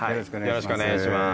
よろしくお願いします